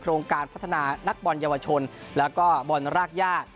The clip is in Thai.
โรงการพัฒนานักบอลเยาวชนแล้วก็บอลรากย่า